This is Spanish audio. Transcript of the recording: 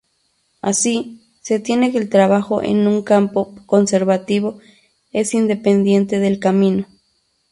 Así, se tiene que el trabajo en un campo conservativo es independiente del camino.